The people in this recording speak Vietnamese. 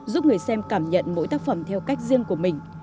giúp người xem cảm nhận mỗi tác phẩm theo cách riêng của mình